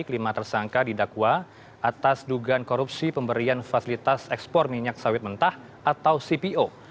kelima tersangka didakwa atas dugaan korupsi pemberian fasilitas ekspor minyak sawit mentah atau cpo